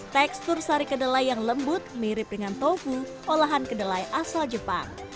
tekstur sari kedelai yang lembut mirip dengan tofu olahan kedelai asal jepang